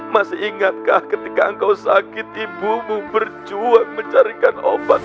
masih ingatkah ketika kau sakit ibumu berjuang mencarikan obatmu